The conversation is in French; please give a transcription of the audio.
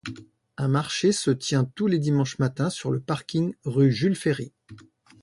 Un marché se tient tous les dimanches matins sur le parking rue Jules-Ferry.